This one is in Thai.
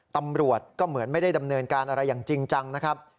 ตำรวจก็เหมือนไม่ได้ดำเนินการอะไรอย่างจริงจังนะครับ